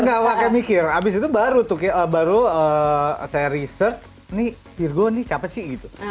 gak pake mikir abis itu baru tuh baru saya research nih fear go ini siapa sih